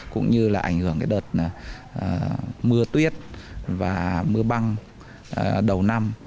cũng như là ảnh hưởng cái đợt mưa tuyết và mưa băng đầu năm